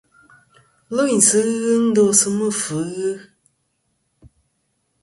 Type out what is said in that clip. Lvɨyn sɨ ghɨ ndosɨ mɨ̂fvɨsɨ ghɨ.